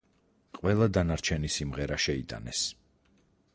ყველა დანარჩენი სიმღერა შეიტანეს.